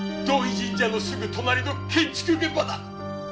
神社のすぐ隣の建築現場だ。